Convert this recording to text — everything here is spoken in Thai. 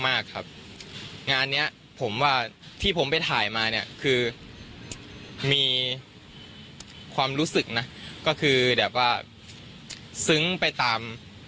มากครับงานเนี้ยผมว่าที่ผมไปถ่ายมาเนี่ยคือมีความรู้สึกนะก็คือแบบว่าซึ้งไปตาม